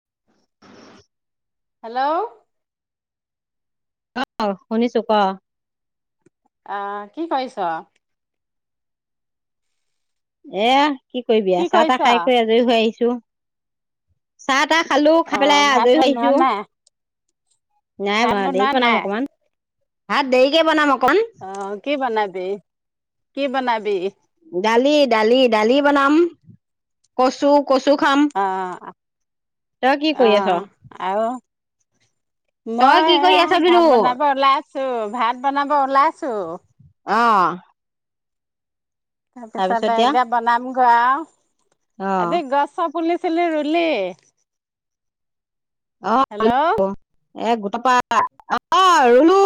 [inaudible] Hello. অহ, শুনিছো ক'। অহ, কি কৰিছ'? এয়া কি কৰিবি চাহ তাহ খাই কৰি আজৰি হৈ আহিছ চাহ এটা খালোঁ, অ খাই পেলাই ভাত আজৰি বনোৱা হৈছো। নাই নাই ভাত বনোৱা, দেৰিকে বনাম নাই অকমান। ভাত দেৰিকে বনাম অক আহ কি বনাবি কি বনাবি? দালি দালি দালি বনাম কচু কচু খাম অ' তই কি কৰি আছ অ' আৰু তই মই কি কৰি এইয়া আছ বোলো ভাত বনাব ওলাইছো। চো ভাত বনাব ওলাইছো অ'। তাৰপিছত এতিয়া বনাম গা অ আজি গছত পুলি চুলি ৰুলি? অ হেল্ল' এ গোটেপাহ অ' ৰুলো।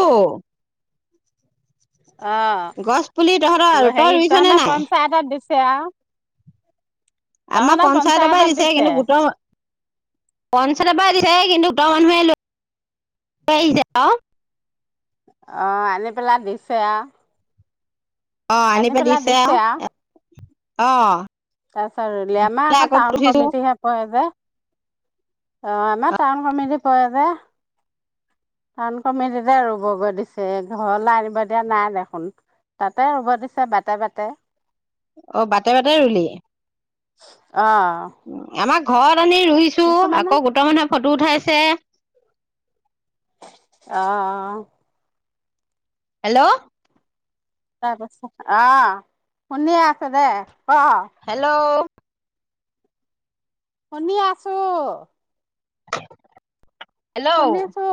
গছ পুলি উম। তহঁতৰ অ' তই হেৰি ৰুইছ নে তহঁতৰ নাই পঞ্চায়ত দিছে এ আমাৰ পঞ্চায়তৰ পৰা দিছে কিন্তু গোটৰ পঞ্চায়তৰ পৰা দিছে কিন্তু তই লৈ আহি যা আকৌ অ', আনি পেলাই দিছে আৰু। অ', আনি আনিব পেলাই দিছে আৰু অ'। তাত ল' আমাৰ লে আকৌ টাউন ফুঠিছো কমিটিহে পৰে যে। অ', আমা টাউন কমিটি পৰে যে। টাউন কমিটিতে ৰুব গৈ দিছে, ঘৰলৈ আনিব দিয়া নাই দেখোন, তাতে ৰুব দিছে বাটে বাটে। অ', বাটে বাটে ৰুলি। উম। আমাৰ অ'। ঘৰত আনি ৰুইছো কিছুমানে আকৌ গোটৰ মানুহেই ফটো উঠাইছে। তে অ'। হেল্ল'। তাৰপিছত অ', শুনি আছো দে। ক হেল্ল'। শুনি আছো। [inaudible] হেল্ল' শুনিছো।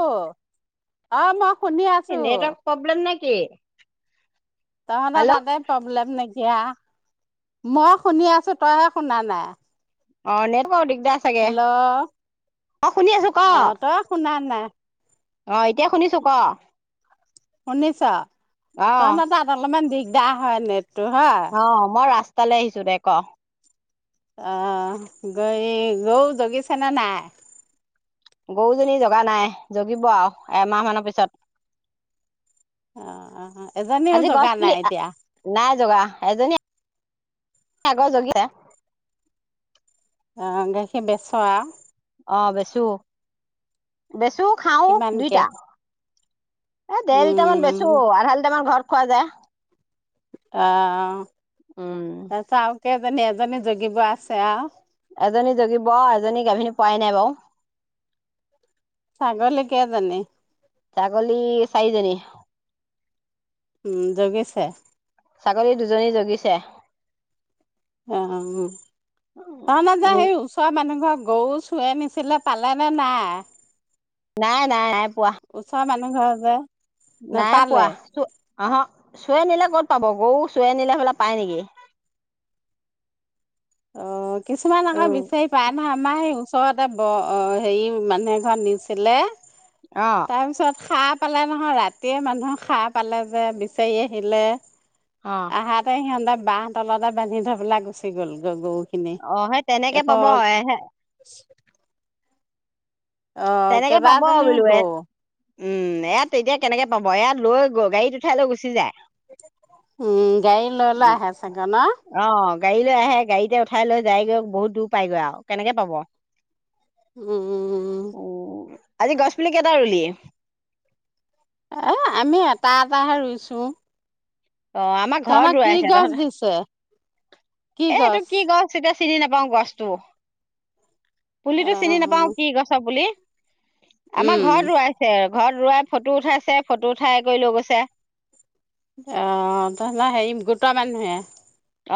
অ', ম শুনি আছো। নেটৱৰ্ক প্ৰব্লেম নে কি তহঁতৰ হেল্ল' তাতে প্ৰব্লেম নেক কি অ', মই শুনি আছো তইহে শুনা নাই। অ', নেটৱৰ্ক দিগ্ দাৰ চাগে হেল্ল' অ', শুনি আছো ক'। অ তই শুনা নাই। অ', এতিয়া শুনিছোঁ ক' অ'। শুনিছ দাৰ হয় নেট অ', মই ৰাস্ত স্তালে আহিছো দে ক'। অহ, গৈ গৰু জগিছে নে নাই? গৰুজনী জগা নাই জগিব আৰু এমাহ মানৰ পিছত। অহ, হ, হ এজনীও আজি গছ জগা পুলি নাই এতিয়া। নাই জগা এজনী আগৰ জগিলে গাখীৰ বেচোঁ আৰু অ', বেচো। বেচোও খাওঁ ও কিমানকে দুইটা। এ দেৰ লিটাৰ মান বেচো, উম আধা লিটাৰ মান ঘৰত খোৱা যায়। অ', উম এ চাওঁ। কেইজনী এজনী জগিব আছে আৰু। এজনী জগিব এজনী গাভিনী হোৱাই নাই বাৰু। চাগলী কেইজনী? ছাগলী চাৰিজনী। উম জগিছে। ছাগলী দুজনী জগিছে। অ', তাৰ মাজে সেই ওচৰৰ মানুহ ঘৰত গৰু চোৰে নিচিলে, পালেনে নাই? নাই, নাই। পোৱা ওচৰ মানুহ ঘৰৰ যে নাই নেপালে পোৱা আহ চোৰে নিলে ক'ত পাব গৰু চোৰে নিলে হ'লে পায় নেকি অ কিছুমান আমাৰ উম বিচাৰি পায় নহয় আমাৰ সেই উ ওচৰতে ব হেৰি মানুহ এ ঘৰত নিছিলে অ তাৰ পিছত সাপ খ পালে নহয় ৰাতিয়ে মানুহ খা পালে যে বিচাৰি আহিলে অ আহা তে হিয়নদক বাহ তলতে বান্ধি থৈ পেলাই গুচি গলো গৈ গৰু অ সেই তেনেকে পাব এ হে অ' তেনেকে পাব আৰু কেইবাজনীও বোলো এ গৰু উম এয়াত এতিয়া কেনেকে হব ইয়াত লৈ গল গাড়ীত উঠাই লৈ গুচি যায় উম গাড়ী ললে আহে ছাগে ন অ গাড়ী লৈ আহে গাড়ীতে উঠাই লৈ যায়গৈ বহুত দূৰ পাইগৈ আৰু কেনেকে পাব উম উম উম আজি গছ পুলি কেইটা ৰুলি এ আমি এটা এটাহে ৰুইছো অ আমাৰ তহঁতৰ ঘৰত কি ৰুৱাইছে গছ দিছে তহঁত এ এইটো কি গছ এতিয়া চিনি নাপাওঁ গছটো পুলিটো চিনি অ' নাপাও কি গছৰ পুলি আমাৰ উম ঘৰত ৰুৱাইছে ঘৰত ৰোৱাই ফটো উঠাইছে ফটো উঠাই কৰি লৈ গৈছে অ হ তহঁত হেৰি গোটাৰ মানুহে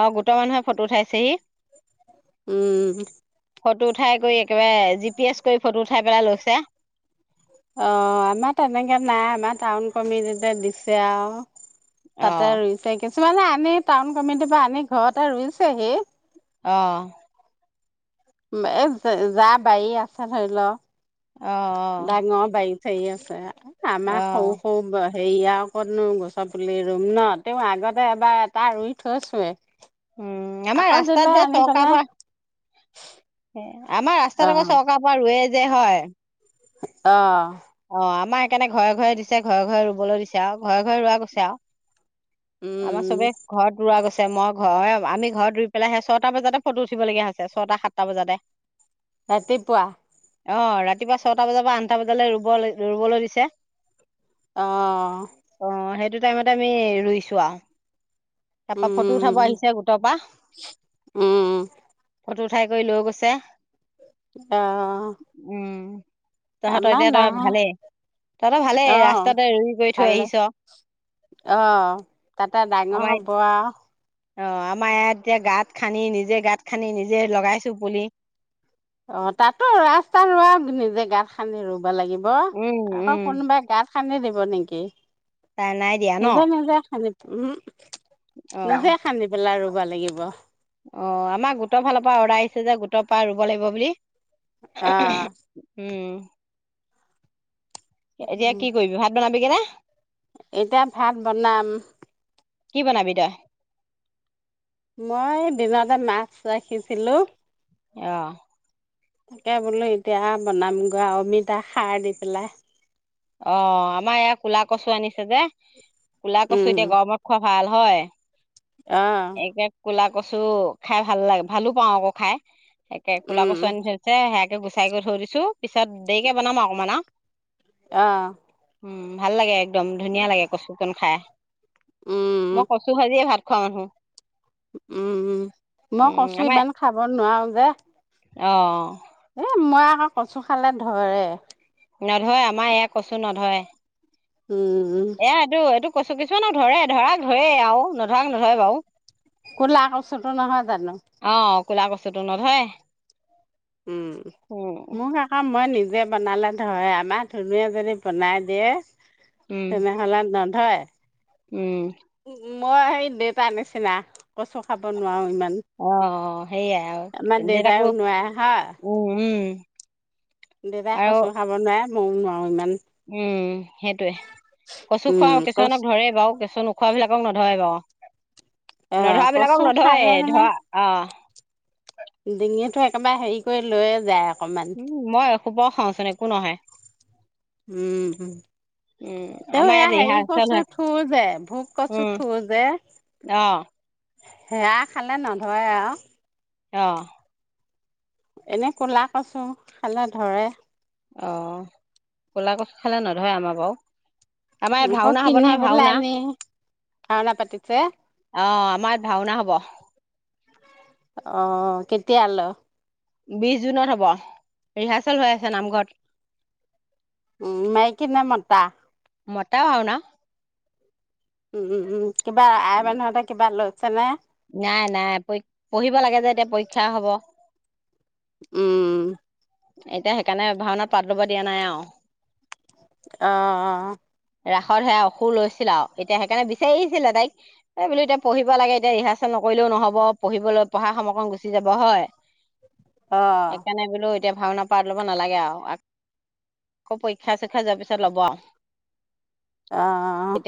অ গোটৰ মানুহে ফটো উঠাইছেহি উম ফটো উঠাই কৰি একেবাৰে জি পি এছ কৰি ফটো উঠাই পেলাই লৈছে অ আমাৰ তেনেকে নাই আমাৰ টাউন কমিটিতে দিছে আৰু অ তাতে ৰুই চেগে কিছুমানে আনি টাউন কমিটিৰ পৰা আনি ঘৰতে ৰুইছেহি আহ এ যা বাৰী আছে ধৰি লও অহ অহ ধেই আছে আমাৰ সৰু সৰু ব সেৰিয়া কতনো গছৰ পুলি ৰুম ন তেওঁ আগতে এবাৰ এটা ৰুই থৈছোৱে উম আমাৰ আকৌ দিলে ৰাস্তাত যে আনি চৰকাৰ পেলাই পৰা আমাৰ অ ৰাস্তাত আকৌ চৰকাৰ পৰা ৰোৱে। যে হয়। অ অ আমাৰ সেইকাৰণে ঘৰে ঘৰে দিছে ঘৰে ঘৰে ৰুবলৈ দিছে আৰু ঘৰে ঘৰে ৰোৱা কৈছে আও আমাৰ উম চবে ঘৰত ৰৰা গৈছে মই ঘৰ আমি ঘৰত ৰুই পেলাই আহে ছয়টা বজাতে ফটো উঠিব লগগীয়া হৈছে ছটা সাতটা বজাতে। ৰাতিপুৱা। অ ৰাতিপুৱা ছটা বজাৰ পৰা আঠটা বজালৈ ৰ ব ৰুবলৈ দিছে আহ অ সেইটো টাইমতে আমি ৰুইছো আৰু তাৰ পৰা ফটো উঠাব উম আহিছে গোটৰ পৰা। উম ফটো উঠাই কৰি লৈ গৈছে। আহ উম তহঁতৰ এতিয়া ত আহ ৰুই কৰি থৈ ভালে আহিছ আহ তাতে ডাঙৰ আমাৰ হ'ব আ অ আমাৰ ইয়াত এতিয়া গাঁত খান্দি নিজে গাঁত খান্দি নিজে লগাইছো পুলি। অ তাতো ৰাস্তা ৰ নিজে গাঁত খান্দি ৰোম। লাগিব উম আকৌ উম কোনোবা গাত খান্দি দিব নেকি? তাই নাই দিয়া ন সিধ মজ খান্দি। উম অ নিজে খান্দি পেলা আৰু কিব লাগিব। অ আমাৰ গোটৰ ফালৰ পৰা অৰ্ডাৰ আহিছে যে গোটৰ পৰা ৰুব লাগিব বুলি। অ অহ উম। এতিয়া কি কৰিবি ভাত বনাবি। বেঙেনা। এতিয়া ভাত বনাম। কি বনাবি তই। মই দিনতে মাছ ৰাখিছিলো। আহ তাকে বোলো এতিয়া বনামগৈ অমিতা সাৰ দি পেলাই। অ আমাৰ ইয়াৰ কোলা কচু আনিছে যে কুলা কুচু উম এতিয়া গৰম খোৱা। ভাল হয়। অ একে কলা। কচু খাই ভাল লাগে ভালো পাওঁ আকৌ খাই। সে কোলা উম কচু আনি থৈছে। এয়া গুচাই কৰি থৈ দিছো। পিছত দেৰিকে বনাম অকমানা। অহ উম ভাল লাগে একদম ধুনীয়া লাগে কছু চিকন খায়। উম মই কৈছো আজি ভাত খহ-হ-হ উম মই কছো ইমান খাব নোৱাৰো। যে অহঁ এ মই আকৌ কচু খালে ধৰে। নধৰে আমাৰ এয়া কচু নধৰে উম, উম কৈছো কিছুমানক ধৰে ধৰাক ধৰে আৰু নধৰাৰাক নধৰে বাৰু। কলাকছট নহয় যানো। কোলা কছুটো নধৰে। উম, উম মোক সেই কাম মই নিজ। বনালে ধয় আমাৰ ধনুে যদি বনাই দিয়ে। উম তেনে হলে নধয়। উম। উ মই সেই দেউতাৰ নিচিনা। কচু খাব নোৱাৰো ইমান, অ সেইয়াই আমাৰ আৰু দেউতাইও নোৱাৰে হা। উ [unintelligible] দেতা কচো খাব নোৱাৰাৰে মই নোৱাৰো ইমান। উম সেইটয়ে, কচু উম খোৱা কচু কিছুমানক ধৰে। বাৰু কিছু নোখোৱাাবলাকক নধৰে বাৰু। অ কচু নধৰাবিলাকক খালে নধৰেয়ে মানে ধৰা অ ডিঙিটো একেবাৰে হেৰি কৰি লৈয়ে যায় আ উম মই শুব খাওঁচোন একো নহয়। উম হম, উম তে আমাৰ এয়া ইয়াত হেৰি ৰিহাৰ্চেল কছো হয় থো যে ভোক কছো উম থো যে অ সেয়া খালে নধৰে আৰু। অহ এনে কলা কছো খালে ধৰে। অ ক'লা কছ খালে নধৰে আমাৰ বাৰু আমাৰ ইয়াত আকৌ ভাওনা হ'ব কিনি নহয় পেলাই ভাওনা। আনি ভাওনা পাতিছে অহ আমাৰ ইয়াত ভাওনা হ'ব। অ কেতিয়াল? বিশ জুনত হ'ব, ৰিহাৰ্চেল হৈ আছে নামঘৰত। উ মাইকী নে মতা? মতাও আও না উম, উম, উম কিবা আই মানুহতে কিবা লৈ চানা নাই, নাই প পঢ়িব লাগে যে এতিয়া পৰীক্ষা হ'ব। উম। এতিয়া, হেইকাৰণে ভাওনাত পাত ল'ব দিয়া নাই আৰু অহ'অহ' ৰাসত সেয়া অসুৰ লৈছিলা আৰু এতিয়া সেইকাৰণে বিচাৰি আহিছিলে তাইক, এই বোলোঁ এতিয়া পঢ়িব লাগে এতিয়া ৰিহা নকৰিলেও নহ'ব পঢ়িবলৈ পঢ়া সময়কণ গুছি যাব হয়। অ সেইকাৰণে বোলোঁ। এতিয়া ভাওনা পাট ল'ব নালাগে আৰু আকৌ পৰীক্ষা চৰীক্ষা যোৱাৰ পিছত ল'ব আহ অহ'অহ'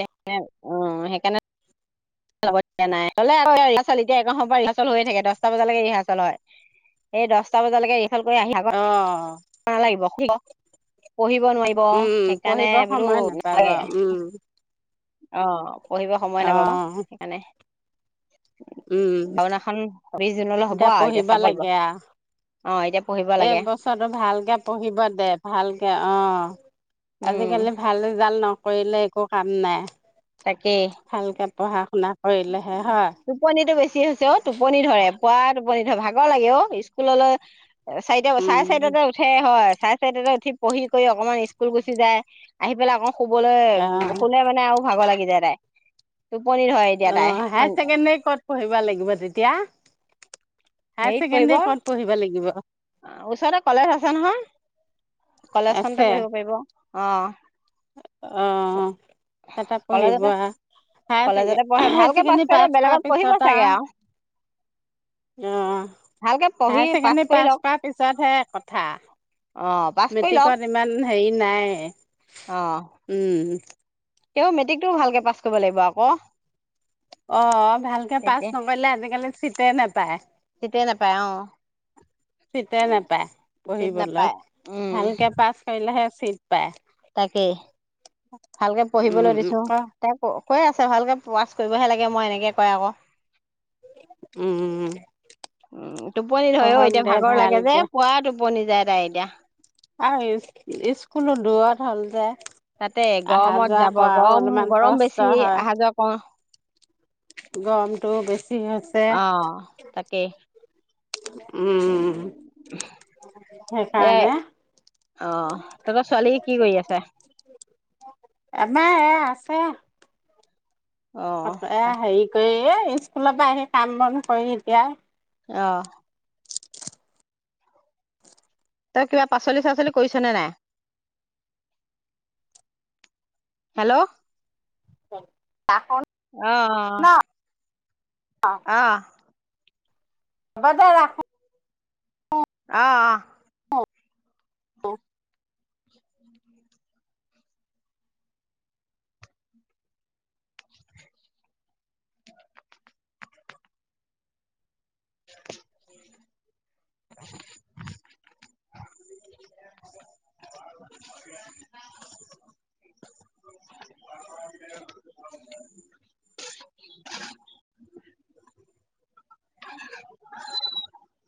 উম, হেইকাৰণে যাব দিয়া নাই গ'লে আকৌ এই ৰিহাৰ্চেল এতিয়া একন সময় ৰিহাৰ্চল হৈয়ে থাকে দটা বজালৈকে ৰিহাচৰ্ল হয়। এই দহটা বজালৈকে ৰিহাৰ্চেল কৰি আহি ভাগৰ অহ' নালাগিব শুৱ পঢ়িব নোৱাৰিব। উম সেইকাৰণে পঢ়িব বোলোঁ সময় নাপাব নালাগে। উম অহ'। পঢ়িব সময় অ নাপাব সেইকাণে [unintelligible] উম ভাওনাখন চবিশ জুনলৈ হ'ব আও এতিয়া পঢ়িব চাব লাগিব লাগে আৰু অ এতিয়া পঢ়িব এই লাগে বছৰটো ভালকে পঢ়িব দে ভালকে অ উম আজিকালি ভাল ৰিজাল্ট ন কৰিলে একো কাম নাই। তাকে ভালকে পঢ়া শুনা কৰিলেহে হয় টোপনিটো বেছ ছি ছেঅ টোপনি ধৰে পুৱা টোপনি ভাগৰ লাগে অ স্কুললৈ চাৰিটা চাৰে উম চাৰিটাতে উঠে হয় চাই চাৰিটাটে উঠি পঢ়ি কৰি অকনমান স্কুল গুচি যায় আহি পেলাই আকো শুবলৈ অ উ শুলে মানে আৰু ভাগৰ লাগি যায় তাই টুপনী ধৰে। এতিয়া তাই অ', হায়াৰ ছেকেণ্ডাৰী ক'ত পঢ়িব লাগিব তেতিয়া? হায়াৰ ছেকেণ্ডেৰী ক'ত পঢ়িব লাগিব? অ', ওচৰতে কলেজ আছে নহয়। কলেজ খতে আছে পঢ়িব পাৰিব অ',। অ', তাতে পঢ়িব কলেজতে আৰু হায়াৰ কলেজতে পঢ়ে ভালকে হায়াৰচেকেণ্ডী কৰিলে পাছ কৰ বেলেগত পঢ়িব পিছত চাগে আৰু আৰু আৰু ভালকে পঢ়ি অহ, ছেকেণ্ডাৰী কৰি পাছ লওক কৰা পিছতহে কথা। অ', পাছ কৰি মেট্ৰিকত লওঁক। ইমান হেৰি নাই। উম। তেওঁ মেট্ৰিকটোও ভালকে পাছ কৰিব লাগিব আকৌ। অ', ভালকে পাছ তেতিয়া নকৰিলে আজিকালি চিট নাপ পায়। চিটে নাপায় অ চিতে নাপায় চিট পঢ়িবলৈ নাপায় উম ভালকে পাছ কৰিলেহে। ছি তাকেই ভালকে উম পঢ়িবলৈ দিছো, আকৌ তাক কৈ আছে ভালকে পাছ কৰিবহে লাগে মই এনেকে কয় আকৌ। উম। অ', টোপনি ধয় অ', পঢ়ক এতিয়া দে ভাগৰ লাগে যে ভালকে পোৰা টোপনি যায় তাই এতিয়া। আৰু স্কুলো দূৰত হ'ল যে তাতে অহা গৰমত যোৱা যাব কৰাও গৰম অলপমান গৰম কষ্ট বেছি আহা যোৱা কৰ গৰমটো বেছ কি হৈছে অ তাকেই উম, এ সেইকাৰণে অ তহঁতৰ ছোৱালী কি কৰি আছে আমাৰ এয়া আছে। এ অ এ হেৰি কৰি এ স্কুলৰ পৰা আহি কাম বন কৰি এতিয়া অহ। তই কিবা পাচলি চাচলি কৰিছনে নাই? হেল্ল'। অ'। অহ, অহ, অহ। হ'বদে ৰাখো। অ', অ'। অ', অ'। [inaudible]